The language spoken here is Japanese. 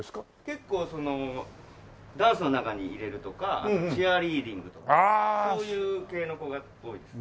結構そのダンスの中に入れるとかあとチアリーディングとかそういう系の子が多いですね。